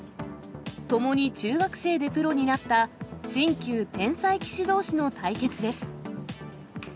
ともに中学生でプロになった、新旧天才棋士どうしの対決です。